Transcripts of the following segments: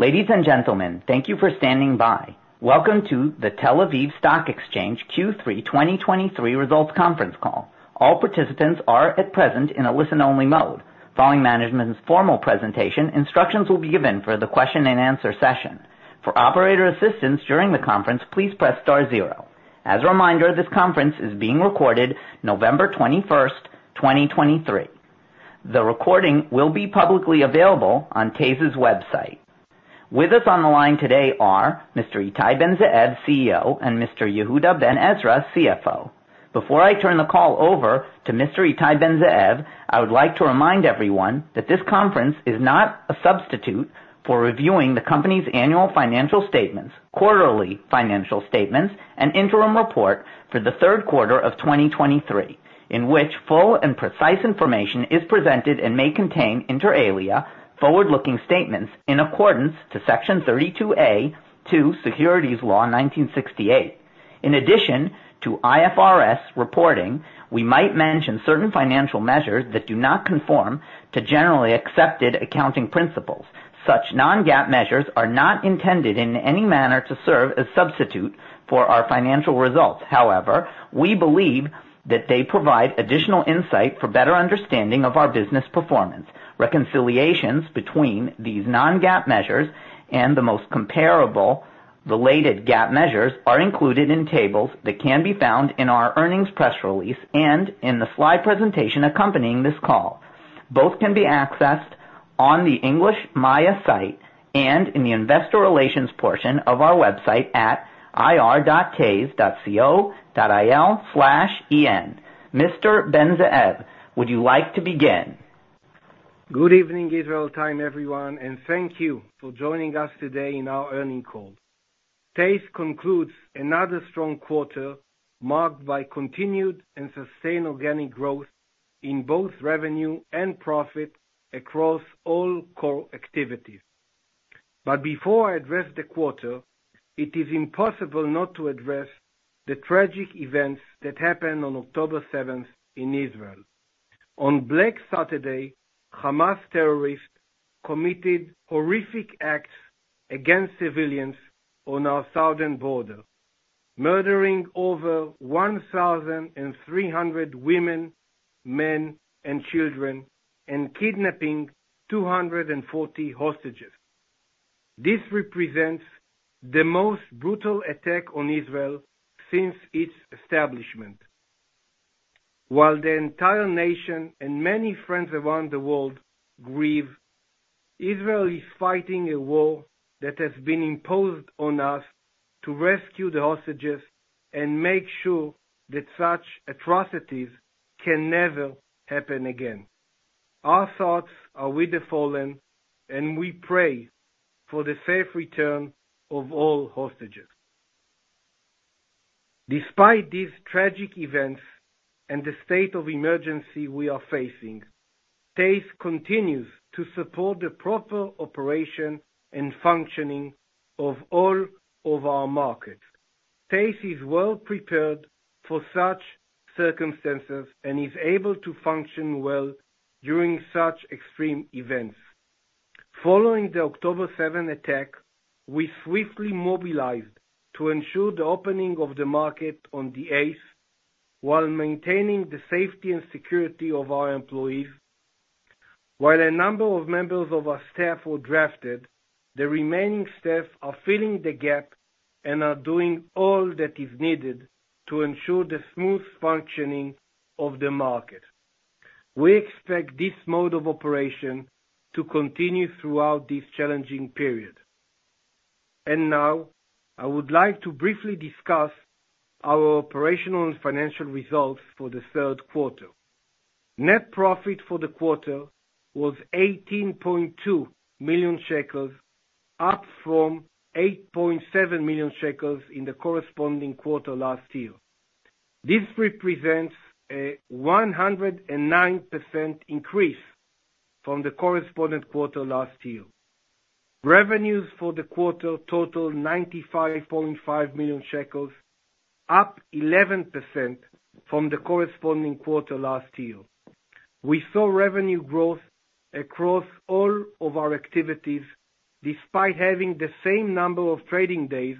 Ladies and gentlemen, thank you for standing by. Welcome to the Tel Aviv Stock Exchange Q3 2023 Results Conference Call. All participants are at present in a listen-only mode. Following management's formal presentation, instructions will be given for the question-and-answer session. For operator assistance during the conference, please press star zero. As a reminder, this conference is being recorded November 21st, 2023. The recording will be publicly available on TASE's website. With us on the line today are Mr. Ittai Ben-Zeev, CEO, and Mr. Yehuda Ben-Ezra, CFO. Before I turn the call over to Mr. Ittai Ben-Zeev, I would like to remind everyone that this conference is not a substitute for reviewing the company's annual financial statements, quarterly financial statements, and interim report for the third quarter of 2023, in which full and precise information is presented and may contain, inter alia, forward-looking statements in accordance to Section 32A to Securities Law, 1968. In addition to IFRS reporting, we might mention certain financial measures that do not conform to generally accepted accounting principles. Such non-GAAP measures are not intended in any manner to serve as substitute for our financial results. However, we believe that they provide additional insight for better understanding of our business performance. Reconciliations between these non-GAAP measures and the most comparable related GAAP measures are included in tables that can be found in our earnings press release and in the slide presentation accompanying this call. Both can be accessed on the English MAYA site and in the investor relations portion of our website at ir.tase.co.il/en. Mr. Ben-Zeev, would you like to begin? Good evening, Israel time, everyone, and thank you for joining us today in our earnings call. TASE concludes another strong quarter, marked by continued and sustained organic growth in both revenue and profit across all core activities. But before I address the quarter, it is impossible not to address the tragic events that happened on October seventh in Israel. On Black Saturday, Hamas terrorists committed horrific acts against civilians on our southern border, murdering over 1,300 women, men, and children, and kidnapping 240 hostages. This represents the most brutal attack on Israel since its establishment. While the entire nation and many friends around the world grieve, Israel is fighting a war that has been imposed on us to rescue the hostages and make sure that such atrocities can never happen again. Our thoughts are with the fallen, and we pray for the safe return of all hostages. Despite these tragic events and the state of emergency we are facing, TASE continues to support the proper operation and functioning of all of our markets. TASE is well prepared for such circumstances and is able to function well during such extreme events. Following the October 7 attack, we swiftly mobilized to ensure the opening of the market on the 8th, while maintaining the safety and security of our employees. While a number of members of our staff were drafted, the remaining staff are filling the gap and are doing all that is needed to ensure the smooth functioning of the market. We expect this mode of operation to continue throughout this challenging period. And now, I would like to briefly discuss our operational and financial results for the third quarter. Net profit for the quarter was 18.2 million shekels, up from 8.7 million shekels in the corresponding quarter last year. This represents a 109% increase from the corresponding quarter last year. Revenues for the quarter totaled 95.5 million shekels, up 11% from the corresponding quarter last year. We saw revenue growth across all of our activities, despite having the same number of trading days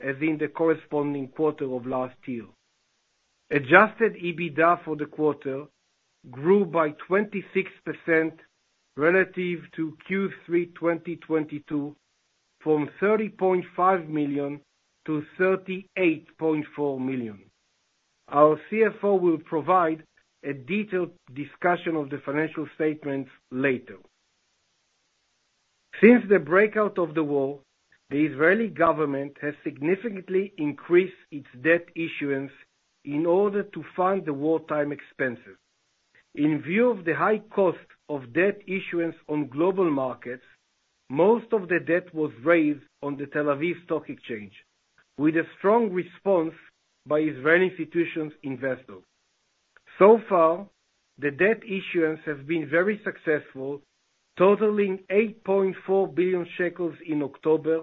as in the corresponding quarter of last year. Adjusted EBITDA for the quarter grew by 26% relative to Q3 2022, from 30.5 million-38.4 million. Our CFO will provide a detailed discussion of the financial statements later. Since the outbreak of the war, the Israeli government has significantly increased its debt issuance in order to fund the wartime expenses. In view of the high cost of debt issuance on global markets, most of the debt was raised on the Tel Aviv Stock Exchange, with a strong response by Israeli institutional investors. So far, the debt issuance has been very successful, totaling 8.4 billion shekels in October,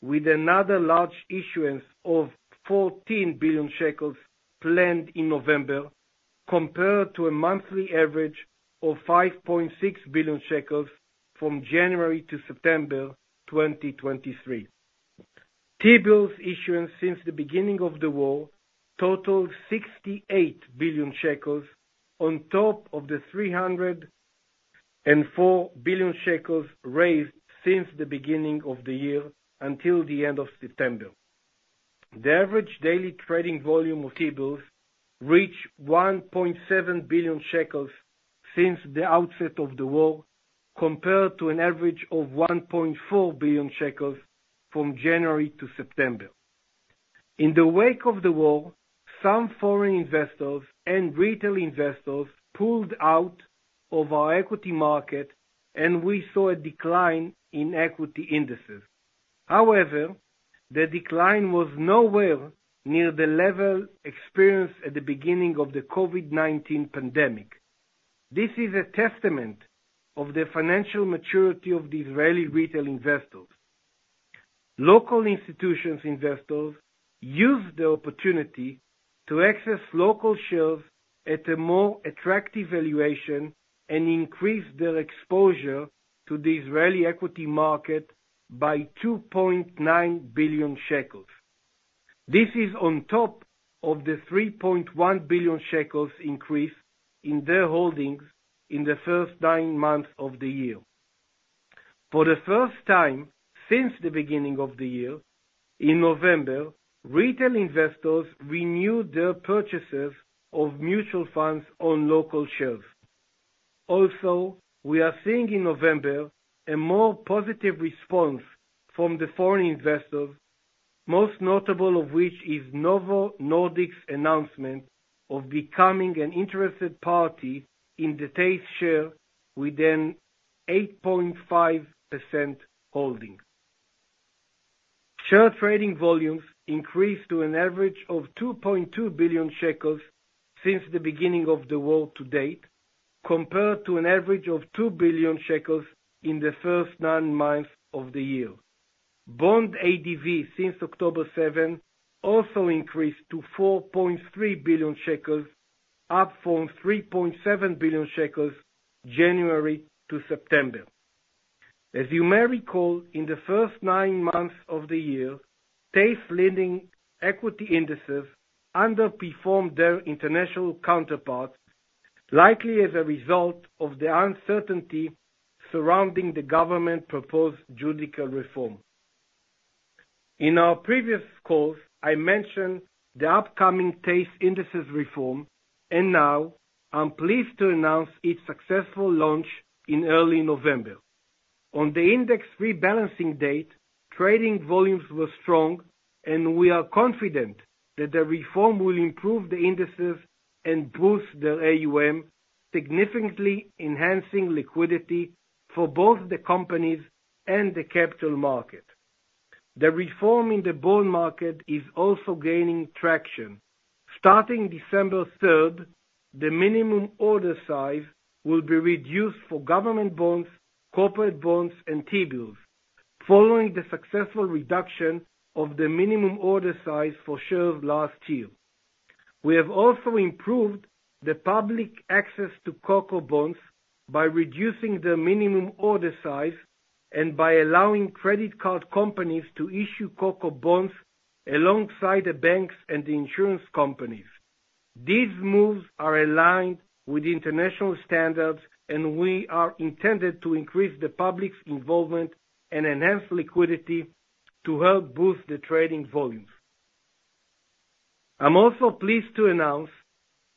with another large issuance of 14 billion shekels planned in November, compared to a monthly average of 5.6 billion shekels from January to September 2023. T-bills issuance since the beginning of the war totaled 68 billion shekels, on top of the 304 billion shekels raised since the beginning of the year until the end of September. The average daily trading volume of T-bills reached 1.7 billion shekels since the outset of the war, compared to an average of 1.4 billion shekels from January to September. In the wake of the war, some foreign investors and retail investors pulled out of our equity market, and we saw a decline in equity indices. However, the decline was nowhere near the level experienced at the beginning of the COVID-19 pandemic. This is a testament of the financial maturity of the Israeli retail investors. Local institutional investors used the opportunity to access local shares at a more attractive valuation and increase their exposure to the Israeli equity market by 2.9 billion shekels. This is on top of the 3.1 billion shekels increase in their holdings in the first nine months of the year. For the first time since the beginning of the year, in November, retail investors renewed their purchases of mutual funds on local shares. Also, we are seeing in November, a more positive response from the foreign investors, most notable of which is Novo Nordisk's announcement of becoming an interested party in the TASE share within 8.5% holding. Share trading volumes increased to an average of 2.2 billion shekels since the beginning of the war to date, compared to an average of 2 billion shekels in the first nine months of the year. Bond ADV, since October 7, also increased to 4.3 billion shekels, up from 3.7 billion shekels, January to September. As you may recall, in the first nine months of the year, TASE leading equity indices underperformed their international counterparts, likely as a result of the uncertainty surrounding the government-proposed judicial reform. In our previous calls, I mentioned the upcoming TASE indices reform, and now I'm pleased to announce its successful launch in early November. On the index rebalancing date, trading volumes were strong, and we are confident that the reform will improve the indices and boost their AUM, significantly enhancing liquidity for both the companies and the capital market. The reform in the bond market is also gaining traction. Starting December third, the minimum order size will be reduced for government bonds, corporate bonds, and T-bills, following the successful reduction of the minimum order size for shares last year. We have also improved the public access to CoCo bonds by reducing the minimum order size and by allowing credit card companies to issue CoCo bonds alongside the banks and insurance companies. These moves are aligned with international standards, and we are intended to increase the public's involvement and enhance liquidity to help boost the trading volumes. I'm also pleased to announce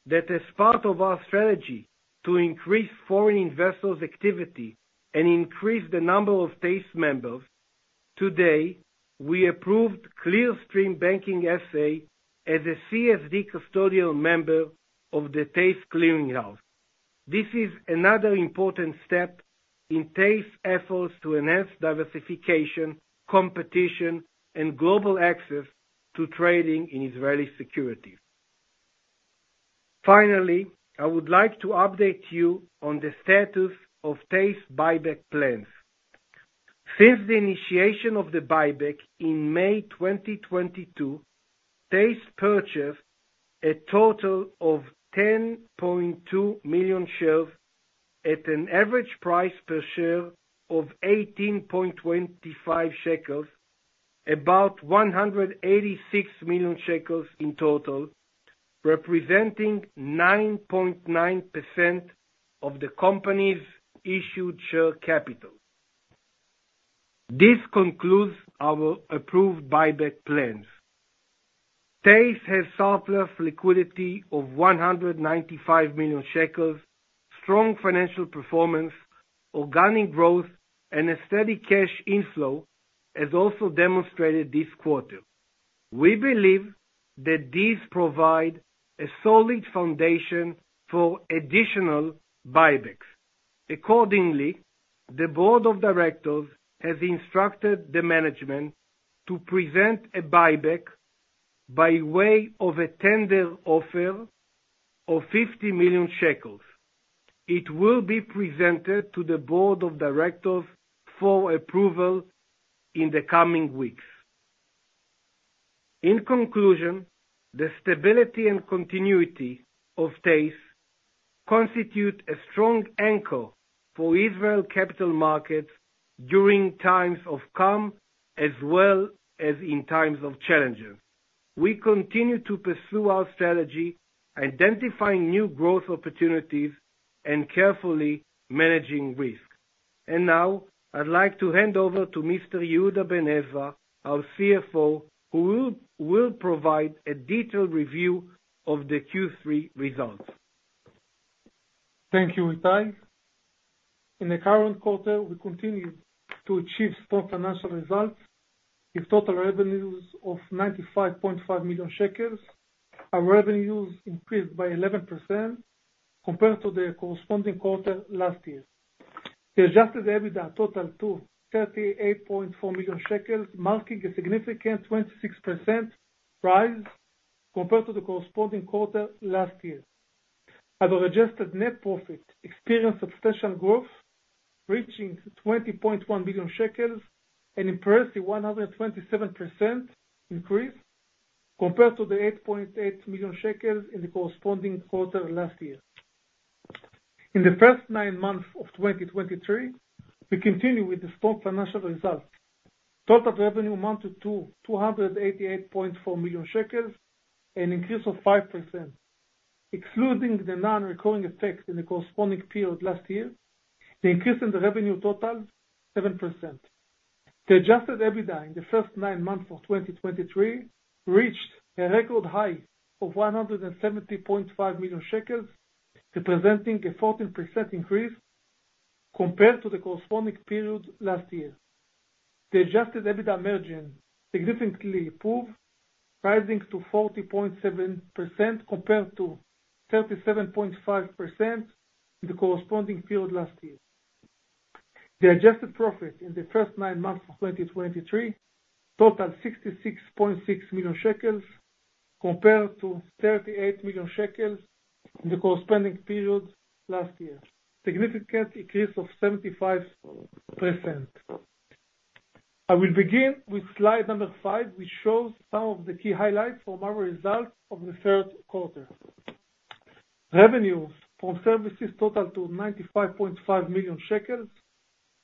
that as part of our strategy to increase foreign investors' activity and increase the number of TASE members, today, we approved Clearstream Banking S.A. as a CSD custodial member of the TASE Clearing House. This is another important step in TASE efforts to enhance diversification, competition, and global access to trading in Israeli securities. Finally, I would like to update you on the status of TASE buyback plans. Since the initiation of the buyback in May 2022, TASE purchased a total of 10.2 million shares at an average price per share of 18.25 shekels, about 186 million shekels in total, representing 9.9% of the company's issued share capital. This concludes our approved buyback plans. TASE has surplus liquidity of 195 million shekels, strong financial performance, organic growth, and a steady cash inflow, as also demonstrated this quarter. We believe that these provide a solid foundation for additional buybacks. Accordingly, the board of directors has instructed the management to present a buyback by way of a tender offer of 50 million shekels. It will be presented to the board of directors for approval in the coming weeks. In conclusion, the stability and continuity of TASE constitute a strong anchor for Israel capital markets during times of calm, as well as in times of challenges. We continue to pursue our strategy, identifying new growth opportunities and carefully managing risk. And now, I'd like to hand over to Mr. Yehuda Ben-Ezra, our CFO, who will provide a detailed review of the Q3 results. Thank you, Ittai. In the current quarter, we continued to achieve strong financial results, with total revenues of 95.5 million shekels. Our revenues increased by 11% compared to the corresponding quarter last year. The Adjusted EBITDA totaled to 38.4 million shekels, marking a significant 26% rise compared to the corresponding quarter last year. Our adjusted net profit experienced substantial growth, reaching 20.1 million shekels, an impressive 127% increase compared to the 8.8 million shekels in the corresponding quarter last year. In the first nine months of 2023, we continue with the strong financial results. Total revenue amounted to 288.4 million shekels, an increase of 5%. Excluding the non-recurring effects in the corresponding period last year, the increase in the revenue totaled 7%. The Adjusted EBITDA in the first nine months of 2023 reached a record high of 170.5 million shekels, representing a 14% increase compared to the corresponding period last year. The adjusted EBITDA margin significantly improved, rising to 40.7%, compared to 37.5% in the corresponding period last year. The adjusted profit in the first nine months of 2023 totaled 66.6 million shekels, compared to 38 million shekels in the corresponding period last year. Significant increase of 75%. I will begin with Slide number 5, which shows some of the key highlights from our results of the third quarter. Revenues from services totaled to 95.5 million shekels,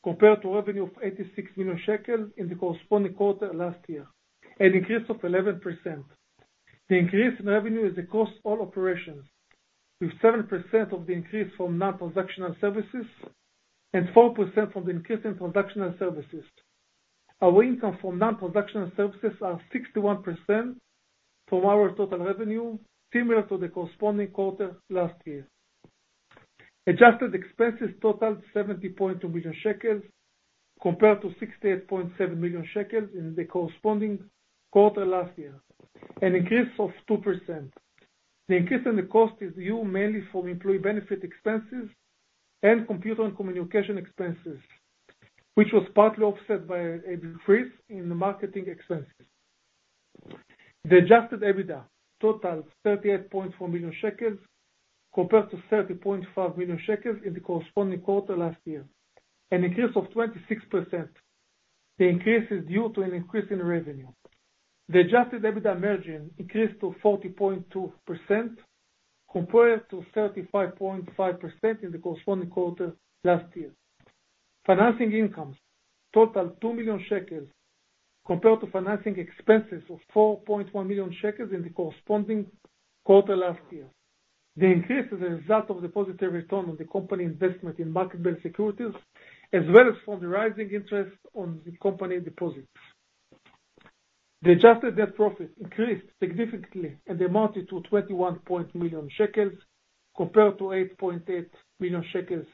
compared to revenue of 86 million shekels in the corresponding quarter last year, an increase of 11%. The increase in revenue is across all operations, with 7% of the increase from non-transactional services and 4% from the increase in transactional services. Our income from non-transactional services are 61% from our total revenue, similar to the corresponding quarter last year. Adjusted expenses totaled 70.2 million shekels, compared to 68.7 million shekels in the corresponding quarter last year, an increase of 2%. The increase in the cost is due mainly from employee benefit expenses and computer and communication expenses, which was partly offset by a decrease in the marketing expenses. The Adjusted EBITDA totaled 38.4 million shekels, compared to 30.5 million shekels in the corresponding quarter last year, an increase of 26%. The increase is due to an increase in revenue. The adjusted EBITDA margin increased to 40.2%, compared to 35.5% in the corresponding quarter last year. Financing incomes totaled 2 million shekels, compared to financing expenses of 4.1 million shekels in the corresponding quarter last year. The increase is a result of the positive return on the company investment in market-based securities, as well as from the rising interest on the company deposits. The adjusted net profit increased significantly, and amounted to 21 million shekels, compared to 8.8 million shekels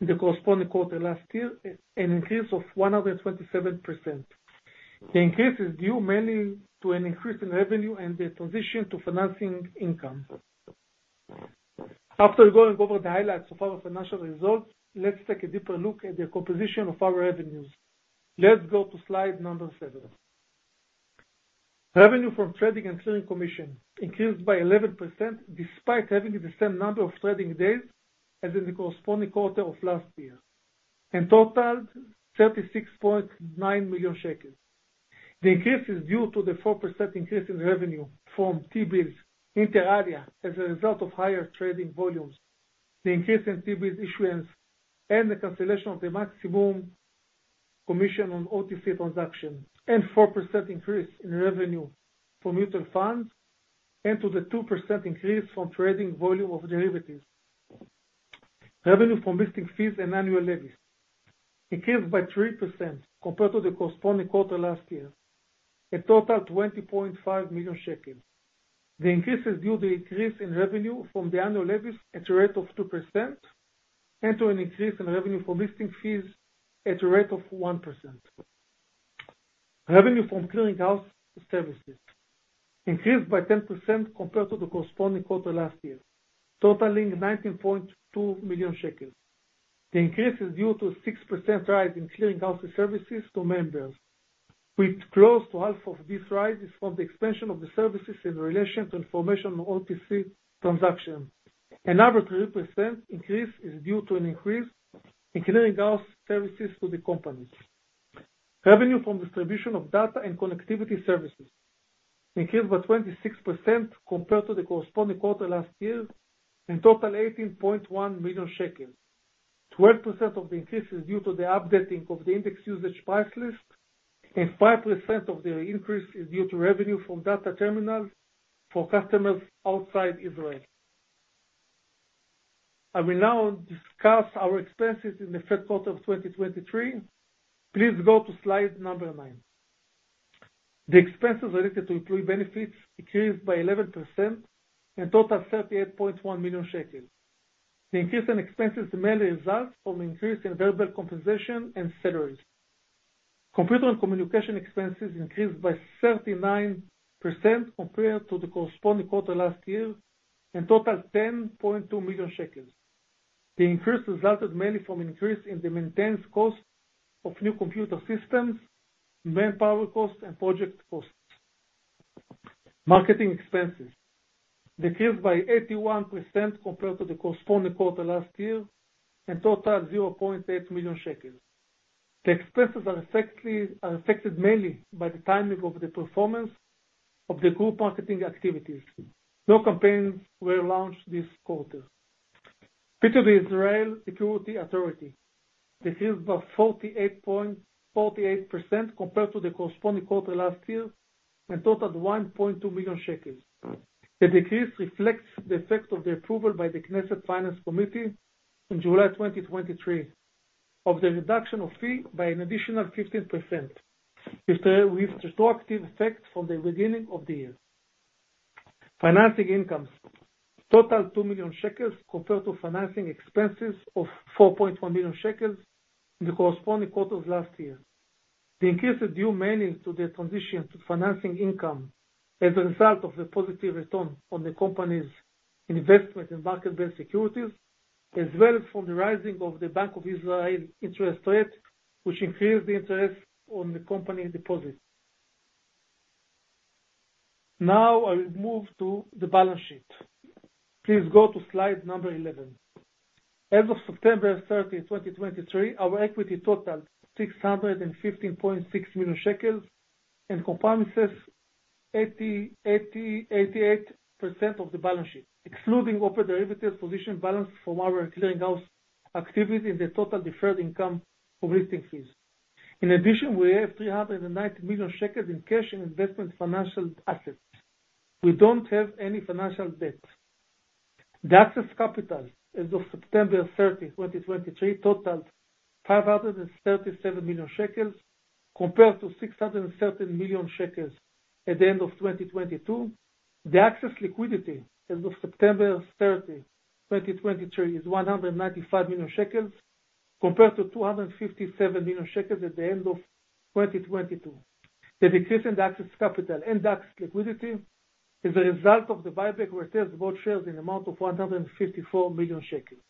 in the corresponding quarter last year, an increase of 127%. The increase is due mainly to an increase in revenue and the transition to financing income. After going over the highlights of our financial results, let's take a deeper look at the composition of our revenues. Let's go to Slide number 7. Revenue from trading and clearing commission increased by 11%, despite having the same number of trading days as in the corresponding quarter of last year, and totaled 36.9 million shekels. The increase is due to the 4% increase in revenue from T-bills inter alia, as a result of higher trading volumes, the increase in T-bills issuance, and the cancellation of the maximum commission on OTC transactions, and 4% increase in revenue from mutual funds, and to the 2% increase from trading volume of derivatives. Revenue from listing fees and annual levies increased by 3% compared to the corresponding quarter last year, a total of 20.5 million shekels. The increase is due to increase in revenue from the annual levies at a rate of 2%, and to an increase in revenue from listing fees at a rate of 1%. Revenue from clearing house services increased by 10% compared to the corresponding quarter last year, totaling 19.2 million shekels. The increase is due to a 6% rise in clearing house services to members, with close to half of this rise is from the expansion of the services in relation to information on OTC transactions. Another 3% increase is due to an increase in clearing house services to the companies. Revenue from distribution of data and connectivity services increased by 26% compared to the corresponding quarter last year, and total 18.1 million shekels. 12% of the increase is due to the updating of the index usage price list, and 5% of the increase is due to revenue from data terminals for customers outside Israel. I will now discuss our expenses in the third quarter of 2023. Please go to Slide number 9. The expenses related to employee benefits increased by 11% and total 38.1 million shekels. The increase in expenses mainly result from increase in variable compensation and salaries. Computer and communication expenses increased by 39% compared to the corresponding quarter last year, and total 10.2 million shekels. The increase resulted mainly from increase in the maintenance cost of new computer systems, manpower costs, and project costs. Marketing expenses decreased by 81% compared to the corresponding quarter last year, and total 0.8 million shekels. The expenses are affected mainly by the timing of the performance of the group marketing activities. No campaigns were launched this quarter. Fee to the Israel Securities Authority decreased by 48% compared to the corresponding quarter last year, and totaled 1.2 million shekels. The decrease reflects the effect of the approval by the Knesset Finance Committee in July 2023, of the reduction of fee by an additional 15%, with retroactive effect from the beginning of the year. Financing incomes totaled 2 million shekels compared to financing expenses of 4.1 million shekels in the corresponding quarters last year. The increase is due mainly to the transition to financing income as a result of the positive return on the company's investment in market-based securities, as well as from the rising of the Bank of Israel interest rate, which increased the interest on the company deposits. Now, I will move to the balance sheet. Please go to Slide number 11. As of September 30th, 2023, our equity totals 615.6 million shekels, and comprises 88% of the balance sheet, excluding open derivatives position balance from our clearinghouse activity in the total deferred income of listing fees. In addition, we have 390 million shekels in cash and investment financial assets. We don't have any financial debt. The excess capital as of September 30th, 2023, totals 537 million shekels compared to 630 million shekels at the end of 2022. The excess liquidity as of September 30th, 2023, is 195 million shekels, compared to 257 million shekels at the end of 2022. The decrease in the access capital and access liquidity is a result of the buyback where shares, bought shares in amount of 154 million shekels.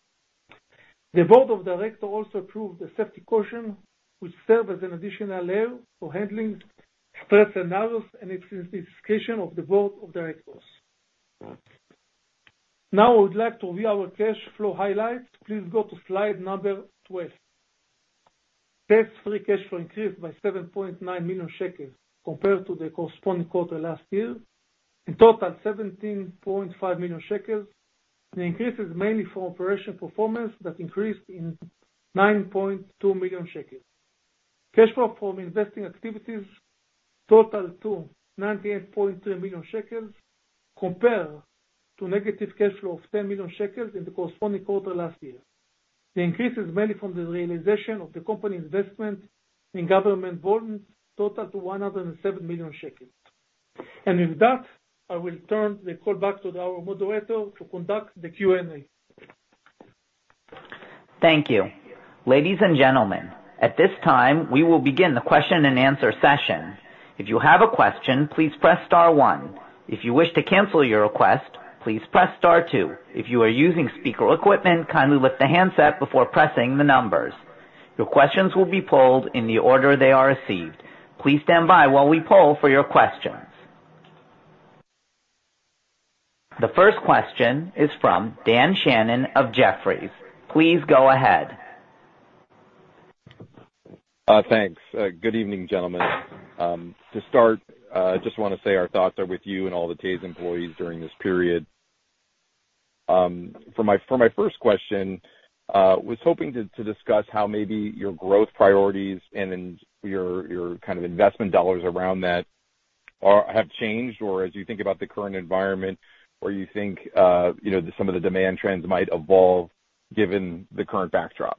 The board of directors also approved the safety caution, which serve as an additional layer for handling stress analysis and intensification of the board of directors. Now, I would like to review our cash flow highlights. Please go to Slide number 12. Tax-free cash flow increased by 7.9 million shekels compared to the corresponding quarter last year, and totaled 17.5 million shekels. The increase is mainly from operation performance that increased in 9.2 million shekels. Cash flow from investing activities totaled to 98.3 million shekels, compared to negative cash flow of 10 million shekels in the corresponding quarter last year. The increase is mainly from the realization of the company's investment in government bonds, totaled to 107 million shekels. With that, I will turn the call back to our moderator to conduct the Q&A. Thank you. Ladies and gentlemen, at this time, we will begin the question and answer session. If you have a question, please press star one. If you wish to cancel your request, please press star two. If you are using speaker equipment, kindly lift the handset before pressing the numbers. Your questions will be polled in the order they are received. Please stand by while we poll for your questions. The first question is from Dan Fannon of Jefferies. Please go ahead. Thanks. Good evening, gentlemen. To start, I just want to say our thoughts are with you and all the TASE employees during this period. For my first question, was hoping to discuss how maybe your growth priorities and then your kind of investment dollars around that are, have changed, or as you think about the current environment, or you think, you know, some of the demand trends might evolve given the current backdrop.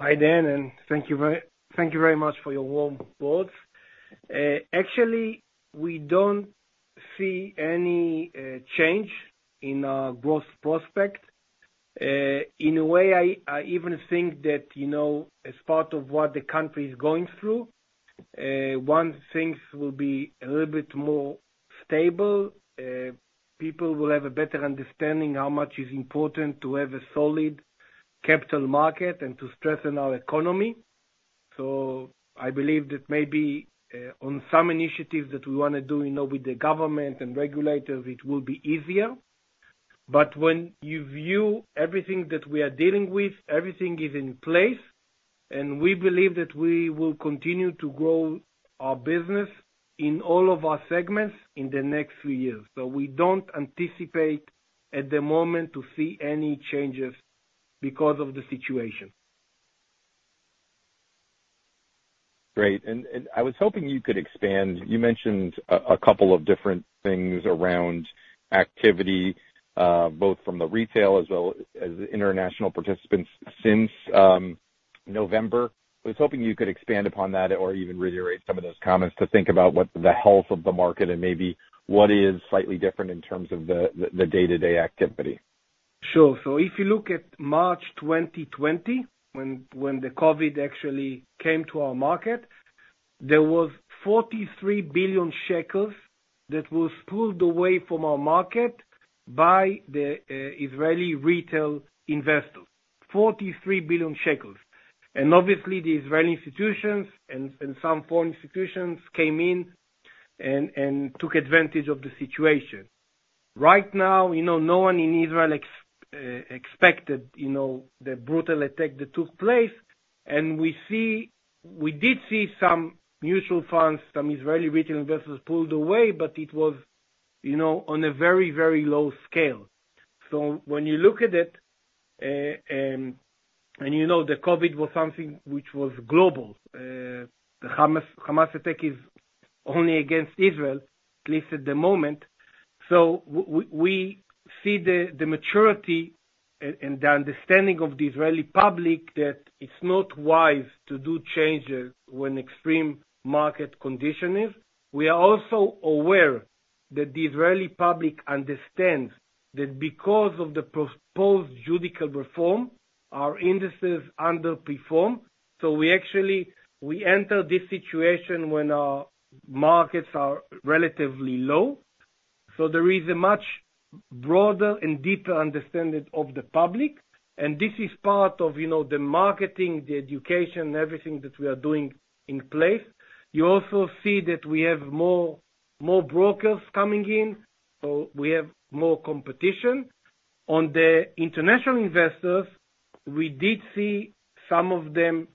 Hi, Dan, and thank you very, thank you very much for your warm words. Actually, we don't see any change in our growth prospect. In a way, I even think that, you know, as part of what the country is going through, once things will be a little bit more stable, people will have a better understanding how much is important to have a solid capital market and to strengthen our economy. So I believe that maybe on some initiatives that we want to do, you know, with the government and regulators, it will be easier. But when you view everything that we are dealing with, everything is in place, and we believe that we will continue to grow our business in all of our segments in the next few years. So we don't anticipate, at the moment, to see any changes because of the situation. Great. And I was hoping you could expand. You mentioned a couple of different things around activity, both from the retail as well as the international participants since November. I was hoping you could expand upon that or even reiterate some of those comments, to think about what the health of the market and maybe what is slightly different in terms of the day-to-day activity. Sure. So if you look at March 2020, when the COVID actually came to our market, there was 43 billion shekels that was pulled away from our market by the Israeli retail investors. 43 billion shekels. And obviously, the Israeli institutions and some foreign institutions came in and took advantage of the situation. Right now, you know, no one in Israel expected, you know, the brutal attack that took place, and we see. We did see some mutual funds, some Israeli retail investors pulled away, but it was, you know, on a very, very low scale. So when you look at it, and you know, the COVID was something which was global. The Hamas attack is only against Israel, at least at the moment. So we see the maturity and the understanding of the Israeli public that it's not wise to do changes when extreme market condition is. We are also aware that the Israeli public understands that because of the proposed judicial reform, our indices underperform, so we actually enter this situation when our markets are relatively low. So there is a much broader and deeper understanding of the public, and this is part of, you know, the marketing, the education, everything that we are doing in place. You also see that we have more brokers coming in, so we have more competition. On the international investors, we did see some of them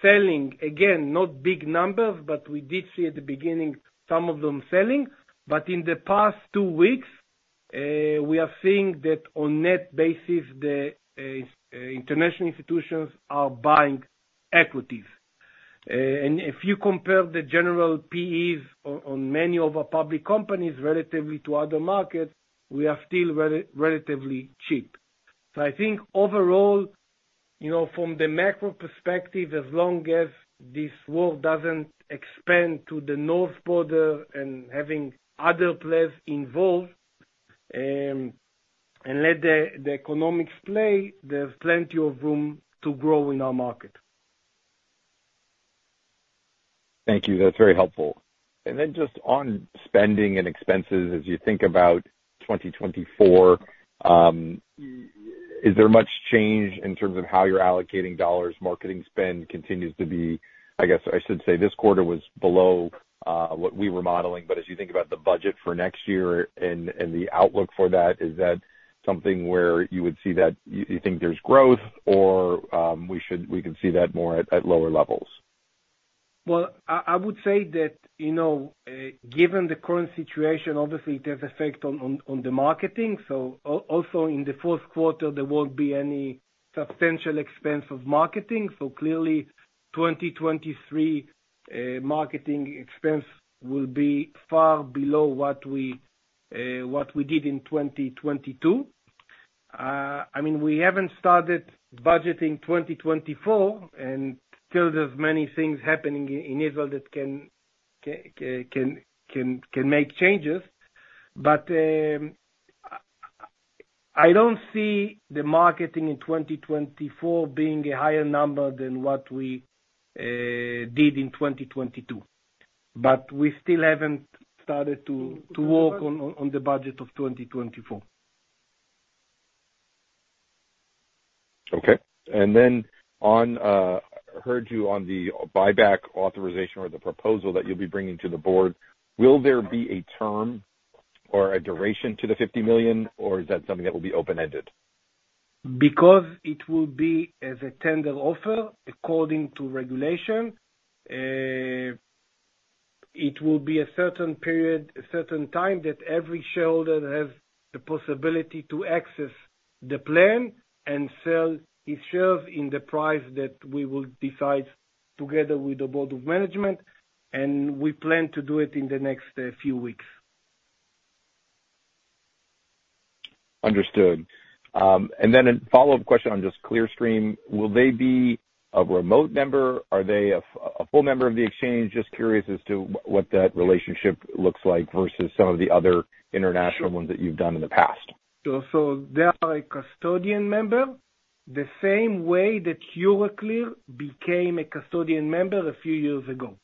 selling. Again, not big numbers, but we did see at the beginning, some of them selling. But in the past two weeks, we are seeing that on net basis, the international institutions are buying equities. And if you compare the general PEs on many of our public companies relatively to other markets, we are still relatively cheap. So I think overall, you know, from the macro perspective, as long as this war doesn't expand to the north border and having other players involved, and let the economics play, there's plenty of room to grow in our market. Thank you. That's very helpful. And then just on spending and expenses, as you think about 2024, is there much change in terms of how you're allocating dollars? Marketing spend continues to be... I guess I should say, this quarter was below what we were modeling, but as you think about the budget for next year and, and the outlook for that, is that something where you would see that, you, you think there's growth or, we should, we can see that more at, at lower levels? Well, I would say that, you know, given the current situation, obviously it has effect on the marketing. So also in the fourth quarter, there won't be any substantial expense of marketing. So clearly, 2023, marketing expense will be far below what we did in 2022. I mean, we haven't started budgeting 2024, and still there's many things happening in Israel that can make changes. But, I don't see the marketing in 2024 being a higher number than what we did in 2022, but we still haven't started to work on the budget of 2024. Okay. And then on, I heard you on the buyback authorization or the proposal that you'll be bringing to the board, will there be a term or a duration to the 50 million, or is that something that will be open-ended? Because it will be as a tender offer, according to regulation, it will be a certain period, a certain time that every shareholder has the possibility to access the plan and sell his shares in the price that we will decide together with the board of management, and we plan to do it in the next few weeks. Understood. And then a follow-up question on just Clearstream, will they be a remote member? Are they a full member of the exchange? Just curious as to what that relationship looks like versus some of the other international ones that you've done in the past. So they are a custodian member, the same way that Euroclear became a custodian member a few years ago.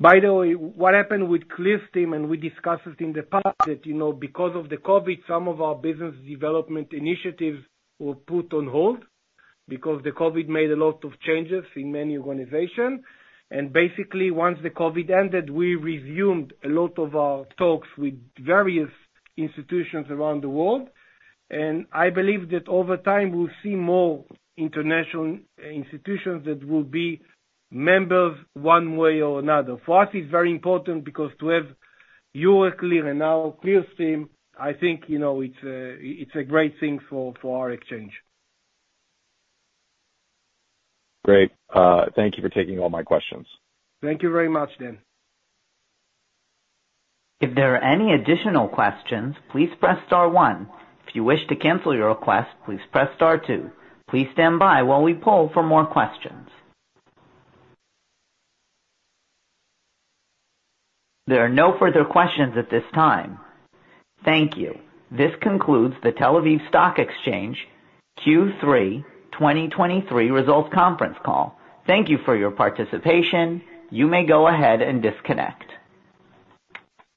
By the way, what happened with Clearstream, and we discussed it in the past, that, you know, because of the COVID, some of our business development initiatives were put on hold because the COVID made a lot of changes in many organizations. And basically, once the COVID ended, we resumed a lot of our talks with various institutions around the world, and I believe that over time, we'll see more international institutions that will be members one way or another. For us, it's very important because to have Euroclear and now Clearstream, I think, you know, it's a great thing for our exchange. Great. Thank you for taking all my questions. Thank you very much, Dan. If there are any additional questions, please press star one. If you wish to cancel your request, please press star two. Please stand by while we poll for more questions. There are no further questions at this time. Thank you. This concludes the Tel Aviv Stock Exchange Q3 2023 Results Conference Call. Thank you for your participation. You may go ahead and disconnect.